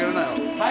はい